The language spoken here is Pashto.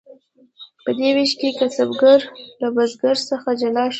په دې ویش کې کسبګر له بزګر څخه جلا شو.